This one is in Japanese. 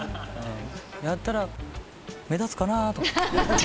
やったら目立つかな。